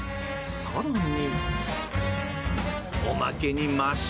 更に。